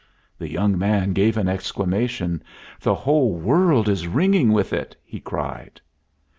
The young man gave an exclamation. "The whole world is ringing with it!" he cried.